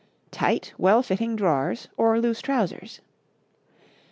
Tight, well fitting drawers or loose trousers.